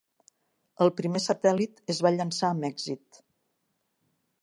El primer satèl·lit es va llançar amb èxit.